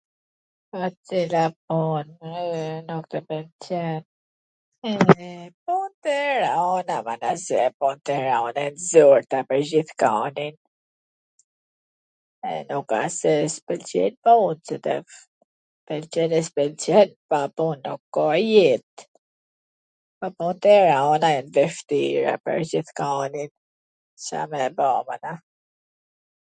Po cila pun nuk tw pwlqen... punt e rana, mana, se punt e rana e t zorta pwr gjithkanin e nuk asht se s pwlqejn punt, pwlqen e s pwlqen pa pun nuk ka jet, po punt e rana e t vwshtira pwr gjithkanin, Ca me ba, mana